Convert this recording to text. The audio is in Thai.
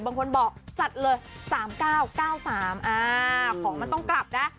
บางคนบอกจัดเลย๓๙๙๓ของมันต้องกลับนะ